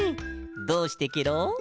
どうしてケロ？